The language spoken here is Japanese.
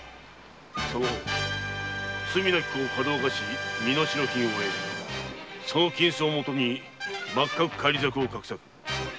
その方罪なき子をかどわかし身代金を得その金子をもとに幕閣返り咲きを画策。